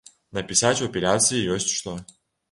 Напісаць у апеляцыі ёсць што.